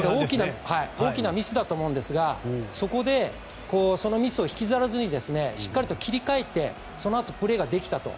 大きなミスだと思うんですがそこで、そのミスを引きずらずにしっかりと切り替えてそのあとプレーができたと。